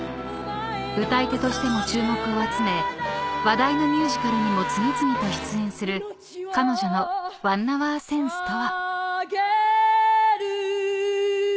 ［歌い手としても注目を集め話題のミュージカルにも次々と出演する彼女の１ＨｏｕｒＳｅｎｓｅとは］